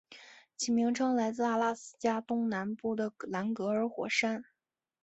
其名称来自阿拉斯加东南部的兰格尔火山。